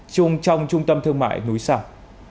chung trong trung tâm thương mại núi sam